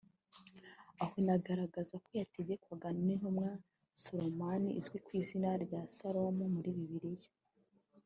aho inagaragaza ko yategekwagwa n’intumwa Soulaiman izwi ku zina rya Salomo muri Bibiliya